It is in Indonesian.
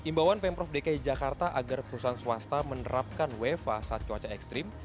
imbauan pemprov dki jakarta agar perusahaan swasta menerapkan wfa saat cuaca ekstrim